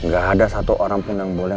gak ada satu orang pun yang boleh